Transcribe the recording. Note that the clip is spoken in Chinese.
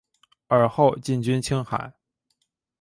尔后进军青海。